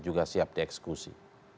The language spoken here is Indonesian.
juga siap dieksekusi